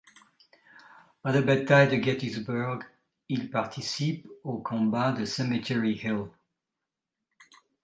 À la bataille de Gettysburg, il participe aux combats de Cemetery Hill.